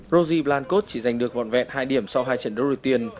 rosie blancos chỉ giành được vọn vẹn hai điểm sau hai trận đấu đầu tiên